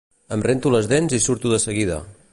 Em rento les dents i surto de seguida